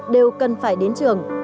đều cần phải đến trường